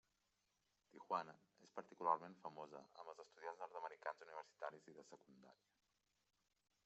Tijuana és particularment famosa amb els estudiants nord-americans universitaris i de secundària.